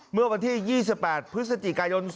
เมื่อวันที่๒๘พฤศจิกายน